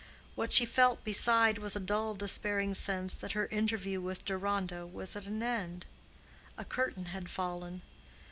What she felt beside was a dull despairing sense that her interview with Deronda was at an end: a curtain had fallen.